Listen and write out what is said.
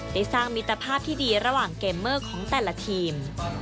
ได้สร้างมิตรภาพที่ดีระหว่างเกมเมอร์ของแต่ละทีม